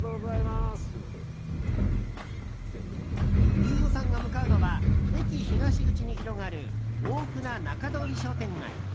飯尾さんが向かうのは駅東口に広がる大船仲通商店街。